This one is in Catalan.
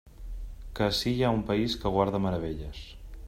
Que ací hi ha un país que guarda meravelles.